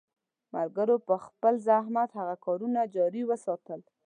ملګرو په خپل مزاحمت هغه کارونه جاري وساتل.